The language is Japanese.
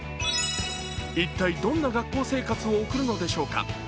一体どんな学校生活を送るのでしょうか。